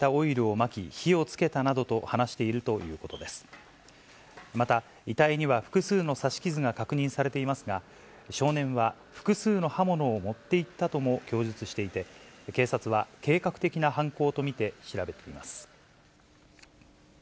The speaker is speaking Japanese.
また遺体には複数の刺し傷が確認されていますが、少年は複数の刃物を持っていったとも供述していて、警察は計画的な犯行と見て調べています。